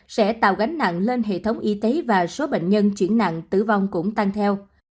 sẽ tạo gánh nặng lên hệ thống y tế và số bệnh nhân chuyển nặng tử vong cũng tăng theo